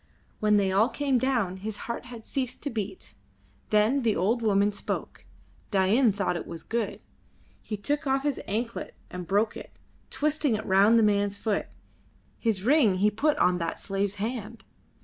When they all came down his heart had ceased to beat; then the old woman spoke; Dain thought it was good. He took off his anklet and broke it, twisting it round the man's foot. His ring he put on that slave's hand.